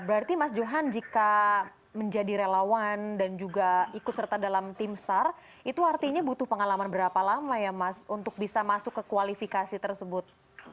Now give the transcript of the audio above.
berarti mas johan jika menjadi relawan dan juga ikut serta dalam tim sar itu artinya butuh pengalaman berapa lama ya mas untuk bisa masuk ke kualifikasi tersebut